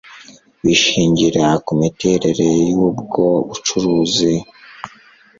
bishingira ku miterere y ubwo bucuruzi